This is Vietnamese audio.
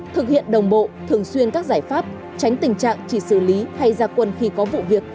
thực hiện đồng bộ thường xuyên các giải pháp tránh tình trạng chỉ xử lý hay gia quân khi có vụ việc